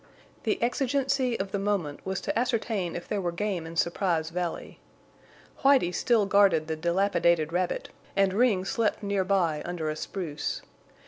The exigency of the moment was to ascertain if there were game in Surprise Valley. Whitie still guarded the dilapidated rabbit, and Ring slept near by under a spruce.